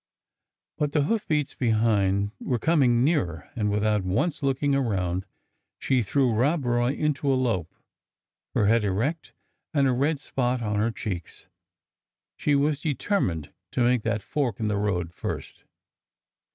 But the hoof beats behind were coming nearer, and, without once looking around, she threw Rob Roy into a lope, her head erect and a red spot on her cheeks. She was determined to make that fork in the road first.